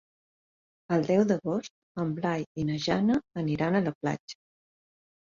El deu d'agost en Blai i na Jana aniran a la platja.